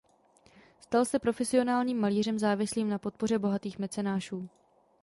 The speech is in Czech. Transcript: Stal se profesionálním malířem závislým na podpoře bohatých mecenášů.